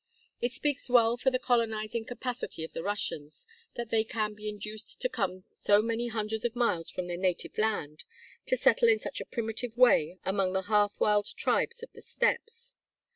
It speaks well for the colonizing capacity of the Russians that they can be induced to come so many hundreds of miles from their native land, to settle in such a primitive way among the half wild tribes of the steppes.